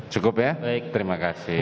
cukup ya terima kasih